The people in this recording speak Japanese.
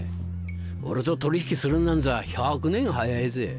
俺と取引するなんざ１００年早いぜ。